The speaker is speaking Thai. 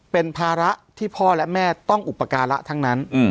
เป็นภาระที่พ่อและแม่ต้องอุปการะทั้งนั้น